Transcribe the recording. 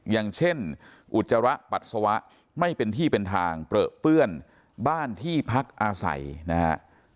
อย่างเช่นอุจจาระปัสสาวะไม่เป็นที่เป็นทางเปลือเปื้อนบ้านที่พักอาศัยนะฮะ